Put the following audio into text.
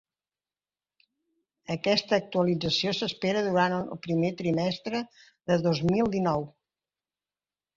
Aquesta actualització s’espera durant el primer trimestre de dos mil dinou.